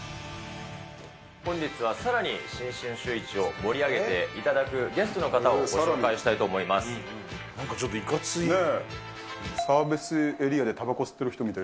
本日はさらに新春シューイチを盛り上げていただくゲストの方をごなんかちょっといかつい。